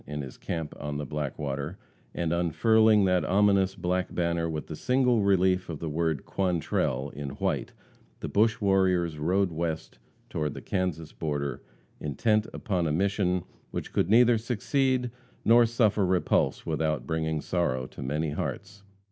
in his camp on the Blackwater, and unfurling that ominous black banner with the single relief of the word "Quantrell" in white, the bush warriors rode west toward the Kansas border, intent upon a mission which could neither succeed nor suffer repulse without bringing sorrow to many hearts.